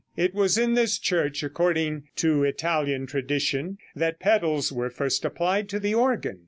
It was in this church, according to Italian tradition, that pedals were first applied to the organ.